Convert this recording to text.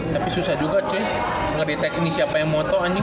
tapi susah juga cuy ngedetek ini siapa yang foto anjir